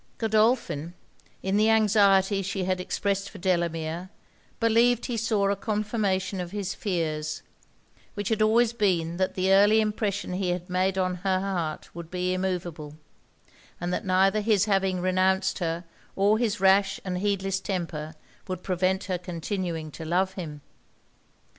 Godolphin, in the anxiety she had expressed for Delamere, believed he saw a confirmation of his fears; which had always been that the early impression he had made on her heart would be immoveable, and that neither his having renounced her or his rash and heedless temper would prevent her continuing to love him.